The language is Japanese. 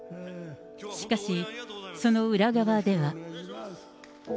しかし、その裏側では。